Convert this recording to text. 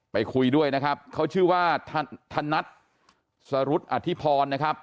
ไปคุยด้วยนะครับเขาชื่อว่าธนัทสรุธอธิพรนะครับ